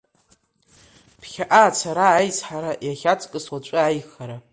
Ԥхьаҟа ацара, аизҳара, иахьаҵкыс уаҵәы аиӷьхара.